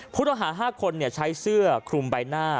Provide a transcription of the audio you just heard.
ผู้ต้องหา๕คนใช้เสื้อคลุมใบหน้า